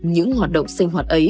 những hoạt động sinh hoạt ấy